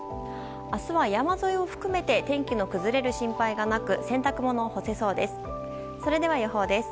明日は山沿いを含めて天気の崩れる心配がなく洗濯物が干せそうです。